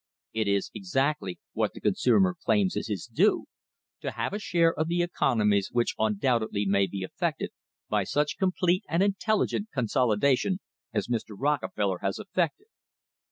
It is ex actly what the consumer claims is his due to have a share of the economies which undoubtedly may be effected by such complete and intelligent consolidation as Mr. Rocke feller has effected.